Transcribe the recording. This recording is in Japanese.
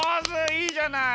いいじゃない。